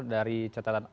dari catatan tersebut